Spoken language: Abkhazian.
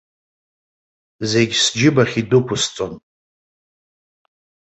Зегь сџьыбахь идәықәсҵон.